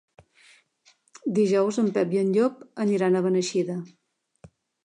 Dijous en Pep i en Llop aniran a Beneixida.